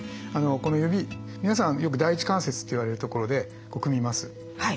この指皆さんよく第一関節って言われるところで組みます。